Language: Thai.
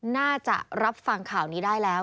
น่าจะรับฟังข่าวนี้ได้แล้ว